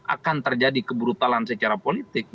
akan terjadi kebrutalan secara politik